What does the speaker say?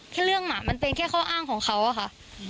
เรื่องหมามันเป็นแค่ข้ออ้างของเขาอะค่ะ